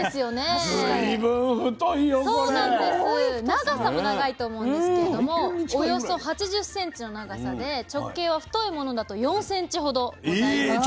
長さも長いと思うんですけれどもおよそ８０ｃｍの長さで直径は太いものだと４ｃｍほどございます。